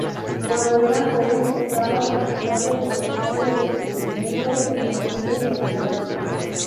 Cuando era joven estaba fascinado por los nuevos descubrimientos en las ciencias naturales.